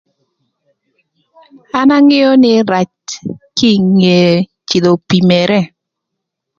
An angeo nï rac kinge cïdhö pimere